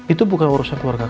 itu bukan urusan keluarga